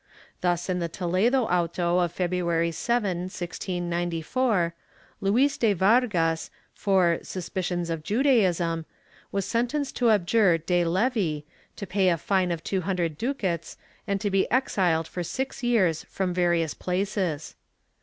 Thus in the Toledo auto of February 7, 1694, Luis de Vargas, for "suspicions of Judaism," was sentenced to abjure de levi, to pay a fine of two hundred ducats and to be exiled for six years from various places.